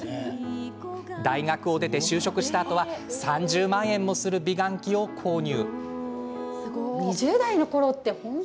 大学を出て、就職したあとは３０万円もする美顔器を購入。